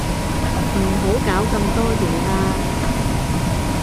唔好搞咁多嘢啦